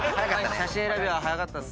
写真選びは早かったっす。